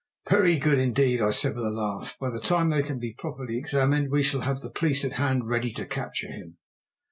"Very good indeed," I said with a laugh. "By the time they can be properly examined we shall have the police at hand ready to capture him."